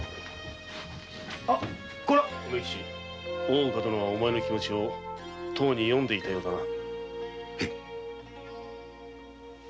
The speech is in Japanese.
大岡殿はお前の気持をとうに読んでいたようだな。